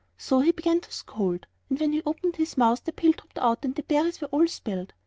So he began to scold, and when he opened his mouth the pail dropped out and the berries were all spilled.